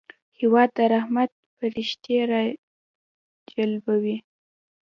هېواد د رحمت پرښتې راجلبوي.